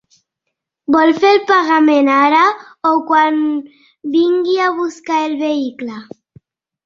Vol fer el pagament ara, o quan vingui a buscar el vehicle?